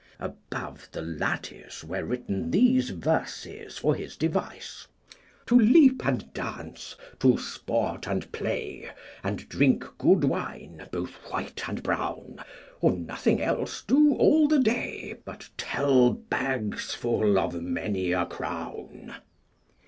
Above the lattice were written these verses for his device: To leap and dance, to sport and play, And drink good wine both white and brown, Or nothing else do all the day But tell bags full of many a crown.